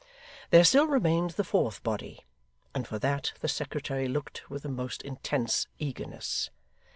There still remained the fourth body, and for that the secretary looked with a most intense eagerness.